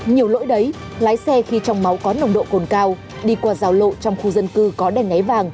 nhiều lỗi đấy lái xe khi trong máu có nồng độ cồn cao đi qua giao lộ trong khu dân cư có đèn náy vàng